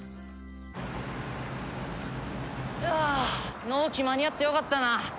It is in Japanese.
ああ納期間に合ってよかったな。